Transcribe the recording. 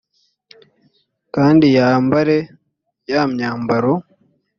kandi yambare ya myambaro